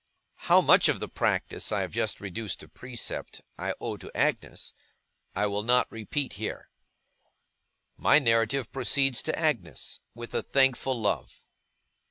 How much of the practice I have just reduced to precept, I owe to Agnes, I will not repeat here. My narrative proceeds to Agnes, with a thankful love.